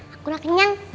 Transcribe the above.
aku gak kenyang